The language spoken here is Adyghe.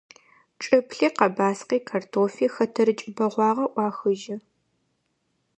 Чӏыплъи, къэбаскъи, картофи – хэтэрыкӏ бэгъуагъэ ӏуахыжьы.